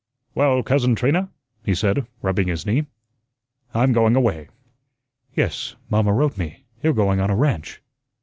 "Well, Cousin Trina," he said, rubbing his knee, "I'm going away." "Yes, mamma wrote me; you're going on a ranch."